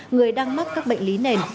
người đang mất các bệnh lý nền